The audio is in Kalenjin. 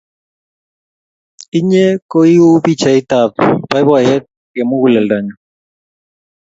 Inye ko iu pichayat ap poipoiyet eng' muguleldanyu.